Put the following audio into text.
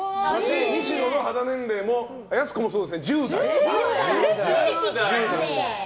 西野の肌年齢はやす子もそうですね、１０代。